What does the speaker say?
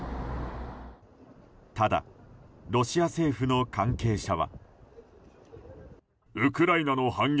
ただ、ロシア政府の関係者は。